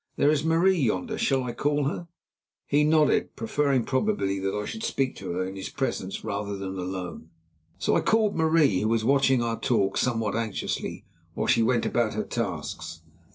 There is Marie yonder. Shall I call her?" He nodded, preferring probably that I should speak to her in his presence rather than alone. So I called Marie, who was watching our talk somewhat anxiously while she went about her tasks.